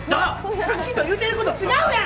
さっきと言うてること違うやん！